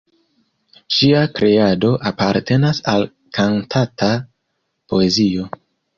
Ŝia kreado apartenas al kantata poezio.